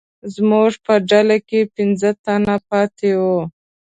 زموږ په ډله کې پنځه تنه پاتې وو.